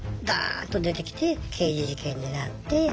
ダーッと出てきて刑事事件になって。